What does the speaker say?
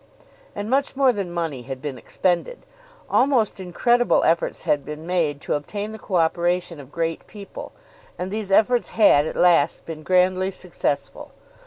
And much more than money had been expended. Almost incredible efforts had been made to obtain the co operation of great people, and these efforts had at last been grandly successful.